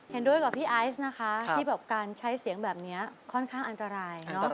เห็นด้วยกับพี่ไอซ์นะคะที่แบบการใช้เสียงแบบนี้ค่อนข้างอันตรายเนอะ